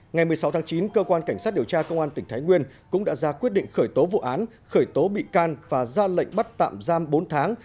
ngày một mươi sáu tháng chín cơ quan cảnh sát điều tra công an tỉnh thái nguyên cũng đã ra quyết định khởi tố vụ án khởi tố bị can và ra lệnh bắt tạm giam bốn tháng